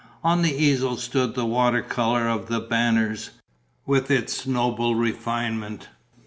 On the easel stood the water colour of The Banners, with its noble refinement.